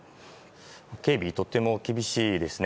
警備とても厳しいですね。